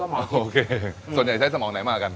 โอเคส่วนใหญ่ใช้สมองไหนมากัน